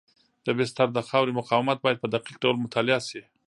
د بستر د خاورې مقاومت باید په دقیق ډول مطالعه شي